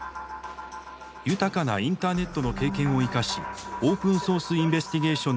豊かなインターネットの経験を生かしオープンソース・インベスティゲーションの技法を独自に編み出したのです。